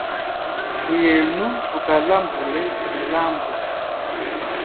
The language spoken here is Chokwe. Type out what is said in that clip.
Thuyenu thukalambule mulambu.